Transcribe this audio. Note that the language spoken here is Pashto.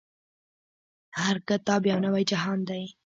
هر کتاب يو نوی جهان دی.